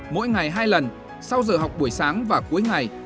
mỗi ngày hai lần sau giờ học buổi sáng và cuối ngày